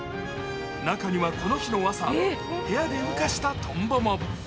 中にはこの日の朝部屋で羽化したとんぼも。